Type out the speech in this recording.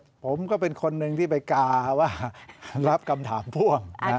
ผมก็เป็นคนหนึ่งที่ไปกาว่ารับคำถามพ่วง